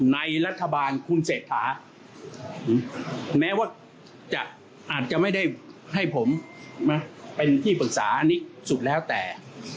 ในรัฐบาลคุณเศรษฐาแม้ว่าจะอาจจะไม่ได้ให้ผมเป็นที่ปรึกษาอันนี้สุดแล้วแต่